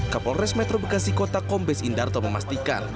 kapolres metro bekasi kota kombes indarto memastikan